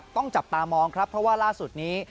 จับตามองครับเพราะว่าล่าสุดนี้